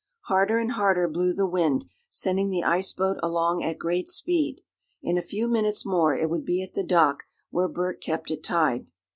Harder and harder blew the wind, sending the ice boat along at great speed. In a few minutes more it would be at the dock, where Bert kept it tied.